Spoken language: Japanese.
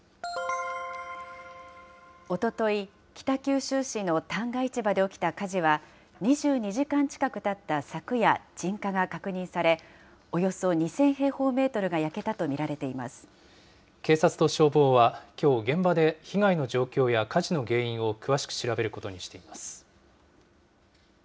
おととい、北九州市の旦過市場で起きた火事は、２２時間近くたった昨夜、鎮火が確認され、およそ２０００平方メートルが焼け警察と消防はきょう、現場で被害の状況や火事の原因を詳しく調べることにしています。